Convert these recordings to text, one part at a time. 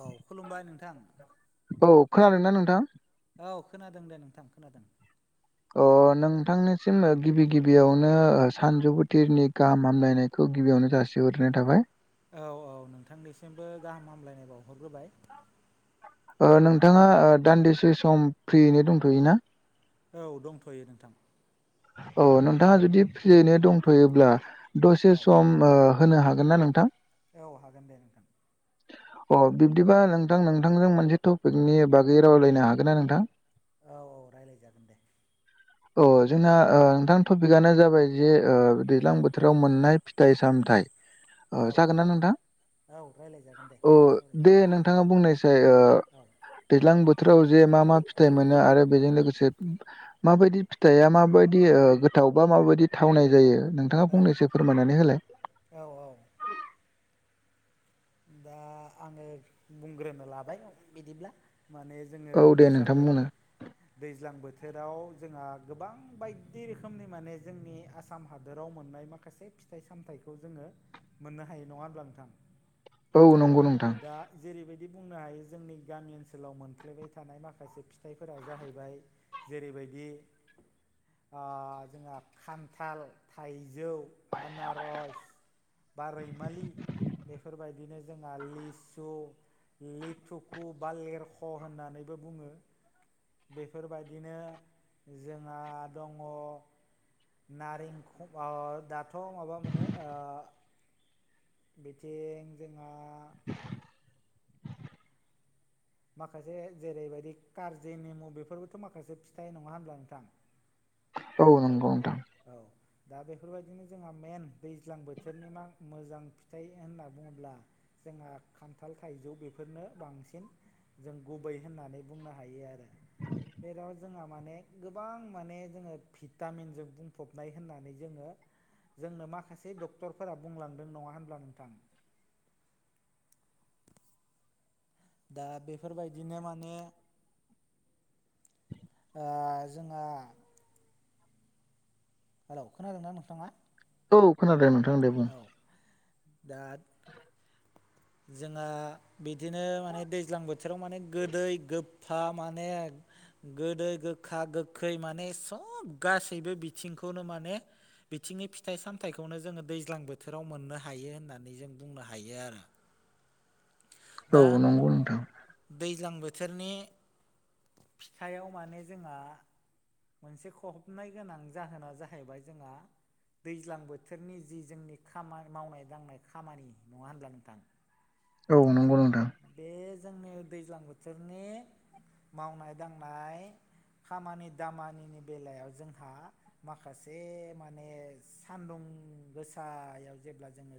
औ खुलुमबाय नोंथां। औ खोनादों ना नोंथां? औ खोनादों दे नोंथां खोनादों। अ नोंथांनिसिम गिबि गिबियावनो सानजौबुथिनि गाहाम हामलायनाय खौ गिबियावनो जासिहरग्रोनाय थाबाय। औ औ नोंथांनिसिमबो गाहाम हामलायनाय बावहरग्रोबाय। ओ नोंथाङा दान्दिसे सम फ्रियैनो दंथ'योना? औ दंथ'यो नोंथां। औ नोंथाङा जुदि फियैनो दंथ'योब्ला दसे औ सम होनो हागोन ना नोंथां? औ हागोन दे नोंथां। [inaudible] अ बिब्दिबा नोंथां नोंथांजों मोनसे टपिकनि बागै रावलायनो हागोन ना नोंथां? औ औ रायलायजागोन दे। अ जोंना नोंथां टपिकआनो जाबाय जे दैज्लां बोथोराव मोननाय फिथाइ सामथाइ ओ औ जागोन ना नोंथां औ रायलायजागोन दे औ सावरायजागोन दे नों थाङा बुंनायसाय ओ औ दैज्लां बोथोराव जे मा मा फिथाइ मोनो आरो बेजों लोगोसे माबायदि फिथाइया मा बायदि ओ गोथाव बा माबायदि थावनाय जायो नोंथाङा औ फंनैसो फोरमायनानै होलाय। औ औ दा आङो बुंग्रोनो लाबाय बिदिब्ला माने जोङो औ दे नोंथां दैज्लांबो बुंनो दैज्लां बोथोराव जोंहा गोबां बायदि रोखोमनि माने जोंनि आसाम हादोराव मोननाय माखासे खासे फिथाइ सामथायाइखौ जोङो मोननो हायो नङा होनब्ला नोंथां? औ नंगौ [unintelligible] दा जेरैबायदि बुंनो हायो जोंनि गामि ओनसोलाव मोनफ्लेबाय थानाय माखासे फिथाइफोरा जाहैबाय जेरैबायदि आ जोंहा खान्थाल थाइजौ आनारस बा रैमालि बेफोरबाय बिदिनो जोंहा लिसु लिथुखु बा लेरख' होननानैबो बुङो। बेफोरबायदिनो जोंहा दङ। नारेंख ओ दाथ' माबा मोनो ओ बिथिं जोंहा [inaudible] माखासे जेरैबायदि कारजि नेमु बेफोरबोथ' माखासे फिथाइ नङा होनब्ला नोंथां? औ नोंगौ नोंथां। औ दा बेफोरबायदिनो जोंहा मेन दैज्लां बोथोरनि मा मोजां फिथाइ होनना बुङोब्ला जोंहा खान्थाल थाइजौ बेफोरनो बांसिन। जों गुबै होननानै बुंनो हायो आरो। बेेराव जोंहा माने गोबां माने जोङो भिटामिनजो [unintelligible] फबनाय होननानै जोङो जोंनो माखासे डक्टरफोरा बुंलांदों नङा होनब्ला नोंथां? दा बेफोरबायदिनो माने ओ जोंहा हेलौ खोनादोंना नोंथाङा? औ खोनादों नोंथां दे। बुं औ दा जोंहा बिदिनो माने दैज्लां बोथोराव माने गोदै गोफा माने गोदो गोखा गोखै माने सब गासैबो बिथिंखौनो माने बिथिंनि फिथाइ सामथायखौनो जोङो दैज्लां बोथोराव मोननो हायो होननानै जों बुंनो हायो आरो दा औ नंगौ नोंथां दैज्लां बोथोरनि फखायाव माने जोंहा मोनसे खहाबनाय गोनां जाहोना जाहैबाय जोंहा दैज्लां बोथोरनि जि जोंनि खाम मावनाय दांनाय खामानि नङा होनब्ला नोंथां? औ नंगौ नोंथां। बे जोंनि दैज्लां बोथोरनि मावनाय दांनाय। खामानि दामानिनि बेलायाव जोंहा माखासे माने सान्दुं गोसायाव जेब्ला जोङो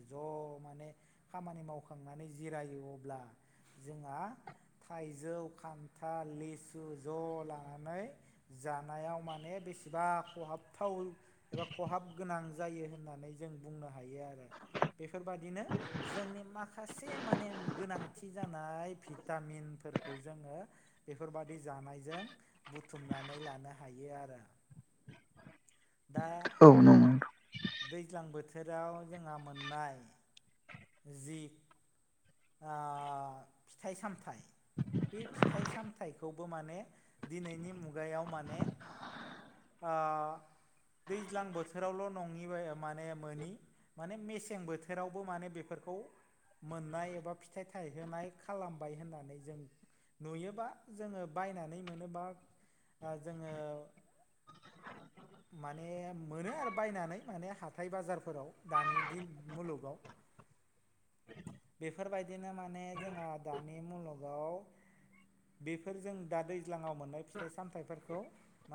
ज' माने खामानि मावखांनानै जिरायो अब्ला जोंहा थाइजौ खान्थाल लिसु ज' लानानै जानायाव माने बेसेबा खहाबथाव एबा खहाब गोनां जायो होननानै जों बुंनो हायो आरो बेफोरबादिनो जोंनि माखासे माने गोनां थि जानाय भिटामिनफोरखौ जोङो बेफोरबायादि जानायजों बुथुमनानै लानो हायो आरो दा औ नंगौ दैज्लां बोथोराव जोंहा मोननाय जि फिथाइ सामथाइ बे फिथाइ सामथाइखौबो माने दिनैनि मुगायाव माने दैज्लां बोथोरावल' नङि माने मोनि माने मेसें बोथोरावबो माने बेफोरखौ मोननाय एबा बा फिथाइ थायहोनाय खालामबाय होननानै जों नुयोबा जोङो बायनानै मोनोबा जोङो [unintelligible] माने मोनो आरो बायनानै माने हाथाय बाजारफोराव दानि दिन मुलुगाव बेफोरबायदिनो माने जोंङहा दानि मुलुगाव बेफोरजों दा दैज्लाङाव मोननाय फिथाइ सामथाइफोरखौ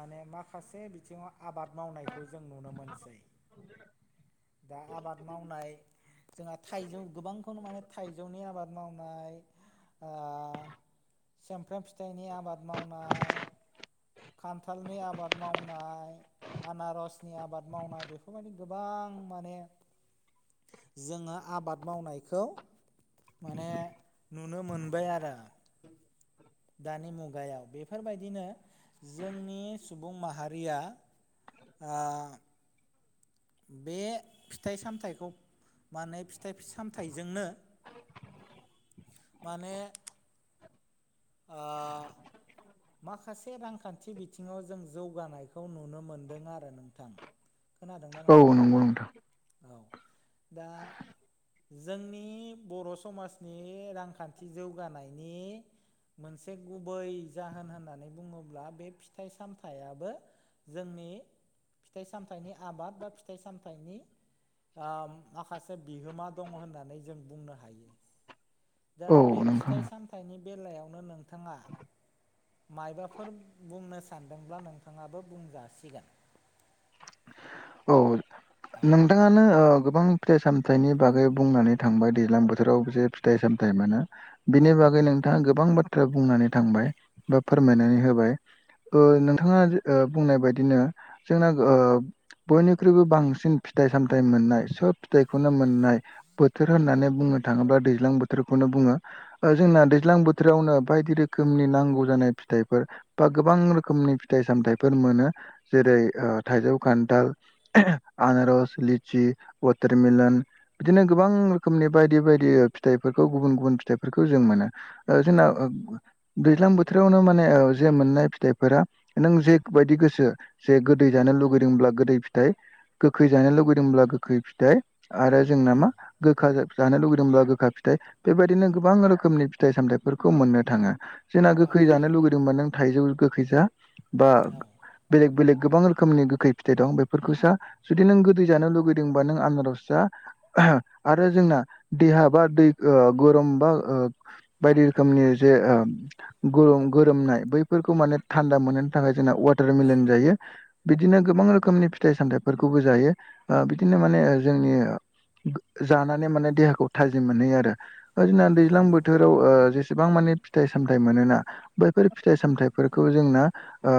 माने माखासे बिथिङाव आबाद मावनायखौ जों नुनो मोनसै दा आबाद मावनाय जोंहा थाइजौ गोबांखौनो माने थाइजौनि आबाद मावनाय ओ सामफ्राम फिथाइनि आबाद मावनाय खान्थालनि आबाद मावनाय आनारसनि आबाद मावनाय बेफोरबायदि गोबां माने जोङो आबाद मावनायखौ माने नुनो मोनबाय आरो दानि मुगायाव बेफोरबायदिनो जोंनि सुबुं माहारिया ओ बे फिथाइ सामथाइखौ मा होनो फिथाइ सामथाइजोंनो [inaudible] माने ओ माखासे रांखान्थि बिथिङाव जों जौगानायखौ नुनो मोनदों आरो नोंथां [unintelligible] खोनादोंना आं औ नंगौ नोंथां औ दा जोंनि बर' समाजनि रांखान्थि जौगानायनि मोनसे गुबै जाहोन होननानै बुङोब्ला बे फिथाइ सामथाइयाबो जोंनि फिथाइ सामथाइनि आबाद बा फिथाइ सामथाइनि माखासे बिहोमा दं होननानै जों बुंनो हायो दा बे औ नोंथां फिथाइ सामथाइनि बेलायावनो नोंथाङा मायबाफोर बुंनो सानदोंब्ला नोंथाङाबो बुंजासिगोन औ नों नथाङानो गोबां फिथाइ सामथाइनि बागै बुंनानै थांबाय दैज्लां बोथोराव जे फिथाइ सामथाइ मानो औ बिनि बागै नोंथाङा गोबां बाथ्रा बुंनानै थांबाय बा फोरमायनानै होबाय औ नोंथाङा बुंनाय बायदिनो जोंना बयनिख्रुइबो बांसिन बांसिन फिथाइ सामथाय मोननाय सब फिथाइखौनो मोननाय बोथोर औ होननानै बुङो थाङोब्ला दैज्लां बोथोरखौनो बुङो जोंना दैज्लां बोथोरावनो बायदि रोखोमनि नांगौ जानाय फिथाइफोर बा गोबां रोखोमनि फिथाइ सामथायाइफोर मोनो जेरै थाइजौ ओ खान्थाल आनारस लिचि उाथारमिलन बिदिनो गोबां रोखोमनि बायदि बायदि फिथाइफोरखौ गुबुन गुबुन फिथाइफोरखौ जों मोनो ओ जोंना औ दैज्लां बोथोरावनो माने जे मोननाय फिथाइफोरा नों जेबायायदि गोसो जे गोदै जानो लुगैदोंब्ला गोदै फिथाइ गोखै जानो लुुगैदोंब्ला गोखै फिथाइ आरो जोंना औ मा गोखा जा-जानो लुगैदोंब्ला गोखा फिथाइ बेबायदिनो गोबां रोखोमनि फिथाइ सामथाइफोरखौ मोननो थाङो। जोंना गोखै थारैनो जानो लुगैदोंबा नों थाइजौ गोखै जा बा औ बेलेग बेलेग गोबां रोखोमनि गोखै फिथाइ दं बेफोरखौ जा। जुदि नों गोदै जानो लुगैदोंबा नों आनार'स जा। [unintelligible] आरो जोंना देहा बा दै ओ गरम बा ओ बायदि रोखोमनि जे ओ गरम गोरोमनाय बैफोरखौ माने थान्दा मोनो थाखाय जोंना उवा टार औ मेलन जायो। बिदिनो गोबां रोखोमनि फिथाइ सामथाइ फोरखौबो जायो। ओ बिदिनो माने ओ जोंनि जानानै माने देहाखौ थाजिम मोनहैयो आरो ओ जोंना नंगौ दैज्लां नंगौ बोथोराव ओ जेस गोबां माने फिथाइ सामथाइ मोनोना। बैफोर फिथाइ सामथाइफोरखौ जोंना ओ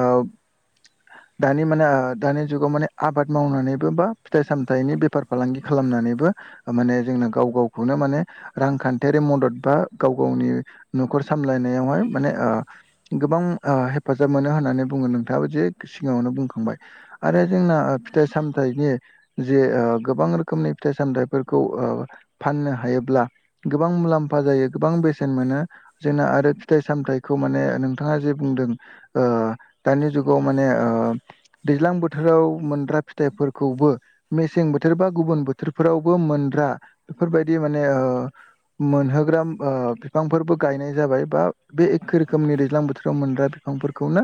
दानि मानो दानि जुगाव माने आबाद मावनानैबो बा फिथाइ सामथाइनि बेफार फालांगि खालामनानैबो माने जोंना गाव गावखौनो माने रांखान्थियारि मदद बा गाव गावनि न'खर सामलायनायावहाय माने ओ गोबां ओ हेफाजाब मोनो होननानै बुङो नोंथाङाबो जे सिगाङावनो बुंखांबाय। आरो औ जोंना ओ फिथाइ सामथाइनि जे ओ गोबां रोखोमनि फिथाइ सामथाइफोरखौ ओ फाननो हायोब्ला गोबां मुलाम्फा जायो गोबां बेसेन मोनो। जोंना औ आरो फिथाइ सामथाइ खौ माने नोंथाङा जे बुंदों ओ दानि जुगाव माने ओ दैज्लां बोथोराव मोनद्रा फिथाइफोरखौबो मेसें बोथोर बा गुबुन बोथोरफोरावबो मोनद्रा बेफोरबायदि माने ओ मोनहोग्रा ओ बिफांफोरबो गायनाय जाबाय बा बे औ एखे रोखोमनि दैज्लां बोथोराव मोनग्रा बिफांफोरखौनो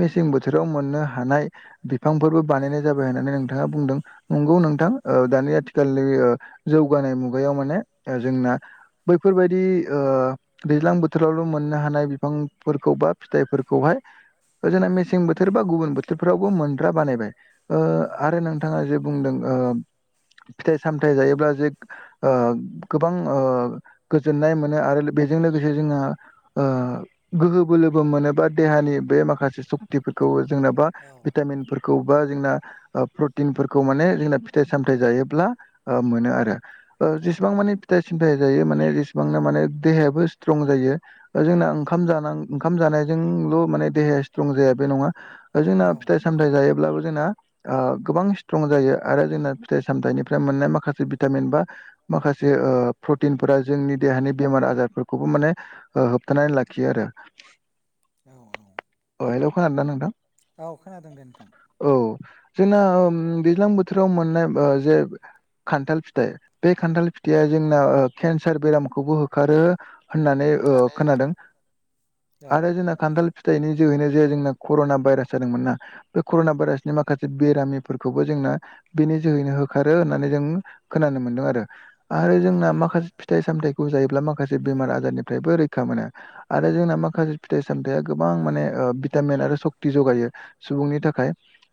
मेसें बोथोराव मोननो हानाय बिफांफोरबो बानायनाय जा [unintelligible] होननानै नोंथाङा बुंदों। नंगौ औ नोंथां ओ दानि आथिखालनि ओ जौगानाय मुगायाव माने ओ जोंना बैफोरबायदि ओ दैज्लां बोथोरावल' मोननो हानाय बिफांफोरखौ बा फिथाइफोरखौहाय जोंना मेसें बोथोर बा गुबुन बोथोरफोरावबो मोनद्रा बानायबाय। ओ आरो नोंथाङा जे बुंदों ओ फिथाइ सामथाइ जायोब्ला जे ओ गोबां ओ गोजोननाय मोनो आरो बेजों लोगोसे जोंहा ओ गोहो बोलोबो मोनो बा देहानि बे माखासे सक थिफोरखौ जोंना बा भिटामिनफोरखौ बा जोंना ओ प्रटिनफोरखौ माने जोंना फिथाइ सामथाइ जायोब्ला ओ मोनो आरो ओ औ जेसेबां माने फिथाइ सामथाइ जायो माने जेसेबांनो माने देहायाबो स्ट्रं जायो। ओ जोंना ओंखाम जानां ओंखाम जानायजोंल' माने देहाया स्ट्रं जाया बे नङा। ओ जोंना फिथाइ सामथाइ जायोब्लाबो जोंना ओ गोबां स्ट्रं जायो आरो जोंना फिथाइ सामथाइनिफ्राय मोननाय माखासे भिटामिन बा माखासे ओ प्रटिनफोरा जोंनि देहानि बेमार आजारफोरखौबो माने ओ होबथानानै लाखियो आरो औ औ। अ हेलौ खोनादों दा नोंथां? औ खोनादों दे नोंथां। औ जोंना ओम दैज्लां बोथोराव मोननाय ओ जे खान्थाल फिथाइ। बे खान्थाल फिथाइया जोंना ओ केन्सार बेरामखौबो होखारो होननानै ओ खोनादों आरो जोंना खान्थाल फिथाइनि जोहैनो जे जोंना कर'ना भाइरास जादोंमोन ना बे कर'ना भाइरासनि माखा बेरामिफोरखौबो जोंना बेनि जोहैनो होखारो होननानै जों खोनानो मोनदों आरो आरो औ जोंना माखासे फिथाइ सामथाइखौ जायोब्ला माखासे बेमार आजारनिफ्रायबो रैखा मोनो। आरो जोंना माखासे फिथाइ सामथाया गोबां माने ओ भिटामिन आरो सक्ति जगायो। सुबुंनि थाखाय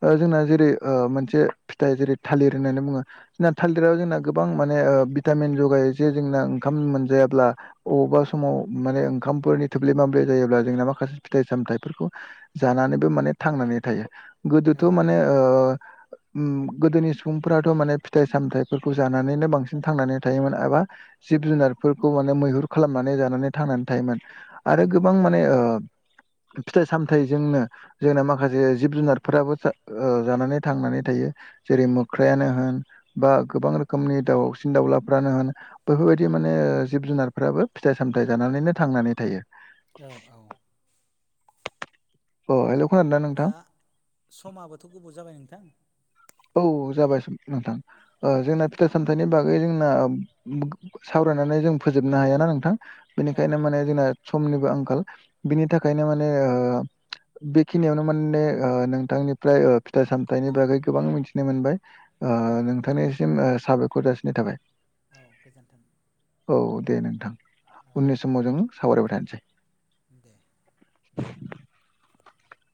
ओ जोंना जेरै ओ मोनसे फिथाइ जेरै थालिर होननानै बुङो जोंना थालिराव जोंना गोबां माने ओ भिटामिन जगायो जे जोंना ओंखाम मोनजायाब्ला अबेबा समाव माने ओंखामफोरनि थोब्ले माब्ले जायोब्ला जोंना माखासे फिथाइ सामथाइफोरखौ जानानैबो माने थांनानै थायो गोदोथ' औ औ माने ओ उम गोदोनि सुबुंफोराथ' माने फिथाइ सामथाइफोरखौ जानानैनो बांसिन थांनानै थायोमोन एबा जिब जुनारफोरखौ माने मैहुर खालामनानै जानानै थांनानै थायोमोन आरो नंगौ गोबां माने ओ फिथाइ सामथायजोंनो जोंना माखासे जिब जुनारफोराबो जानानै थांनानै थायो जेरै मोख्रायानो होन बा गोबां रोखोमनि दावसिन दाउलाफ्रानो होन बेफोरबायदि माने जिब जुनारफ्राबो फिथाइ सामथाय जानानैनो थांनानै थायो। औ औ। अ हेलौ खोनादों ना नोंथां? दा समाबोथ' गोबाव जाबाय नोंथां औ जाबाय [unintelligible] नोंथां ओ औ जोंना फिथाय सामथाइनि बागै जोंना सावरायनानै जों फोजोबनो हायाना नोंथां? औ बेनिखायनो औ माने जोंना समनिबो आंखाल बिनि थाखायनो माने ओ बेखिनियावनो माने ओ नोंथांनिफ्राय ओ फिथाइ सामथाइनि बागै गोबां मिथिनो मोनबाय औ ओ नोंथांनिसिम ओ साबायखर जासिनाय थाबाय। औ गोजोन्थों। औ दे नोंथां औ उननि दे समाव जों सावरायबाय थानोसै। दे। [inaudible] [inaudible]